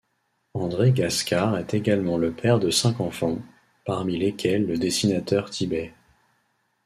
André Gascard est également le père de cinq enfants, parmi lesquels le dessinateur Tibet.